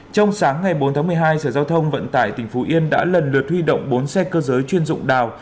trong sáng ngày bốn tháng một mươi hai sở giao thông vận tải tỉnh phú yên đã lần lượt huy động bốn xe cơ giới chuyên dụng đào